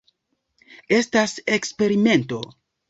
Estas eksperimento.